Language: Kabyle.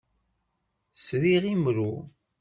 Sriɣ imru.